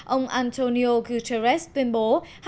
ông antonio guterres tuyên bố